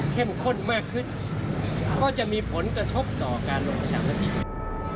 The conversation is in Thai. ข้นมากขึ้นก็จะมีผลกระทบต่อการลงประชามติ